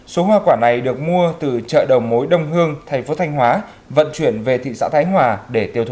số hoa quả này được mua từ chợ đầu mối đông hương thành phố thanh hóa vận chuyển về thị xã thái hòa để tiêu thụ